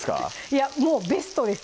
いやもうベストです